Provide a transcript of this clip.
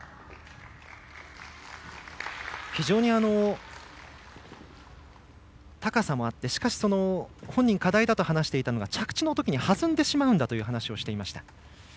非常に高さもあってしかし、本人課題だと話していたのが着地のときに弾んでしまうんだという話をしていました。